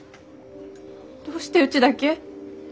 どうしてうちだけ？